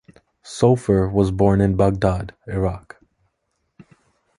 Sofer was born in Baghdad, Iraq.